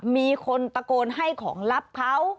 มีคนตะโกนให้ของลับเขา